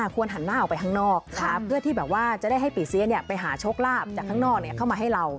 ควรหันหน้าออกไปข้างนอกเพื่อที่แบบว่าจะได้ให้ปีเสียไปหาโชคลาภจากข้างนอกเข้ามาให้เรา